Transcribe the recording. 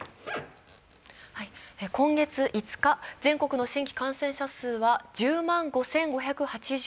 今月５日、全国の新規感染者数は１０万５５８２人。